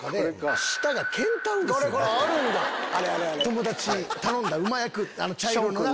友達頼んだ馬役茶色のな。